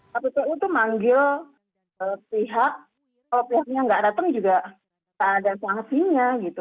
kppu itu manggil pihak kalau pihaknya nggak datang juga tak ada sanksinya gitu